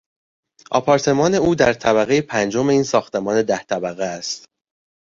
آپارتمان او در طبقهی پنجم این ساختمان ده طبقه است.